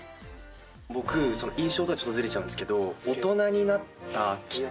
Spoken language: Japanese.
僕印象とはちょっとずれちゃうんですけど。